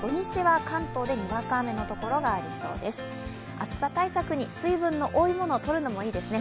暑さ対策に水分が多いものをとるのもいいですね。